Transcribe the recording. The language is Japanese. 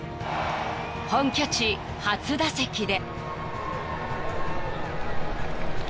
［本拠地初打席で］